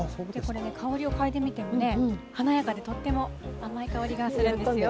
香りをかいでみてもね、華やかでとっても甘い香りがするんですよ。